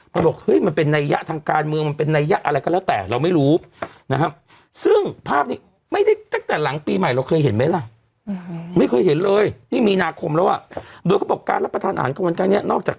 เค้าบอกมันเป็นนัยยะทางการเมืองมันเป็นนัยยะอะไรขอแล้วแต่